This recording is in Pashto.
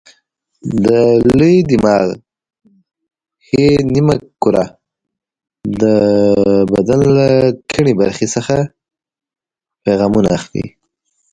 د لوی دماغ ښي نیمه کره د بدن له کیڼې برخې څخه پیغامونه اخلي.